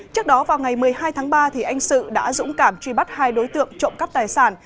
trước đó vào ngày một mươi hai tháng ba anh sự đã dũng cảm truy bắt hai đối tượng trộm cắp tài sản